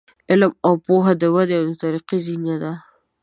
علم او پوهه د ودې او ترقۍ زینه ده.